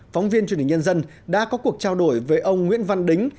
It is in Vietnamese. phóng viên truyền hình nhân dân đã có cuộc trao đổi với ông nguyễn văn đính